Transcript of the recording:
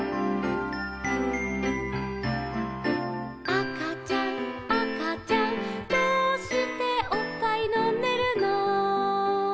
「あかちゃんあかちゃんどうしておっぱいのんでるの」